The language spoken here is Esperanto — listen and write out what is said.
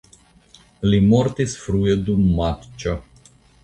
Li mortis frue dum matĉo.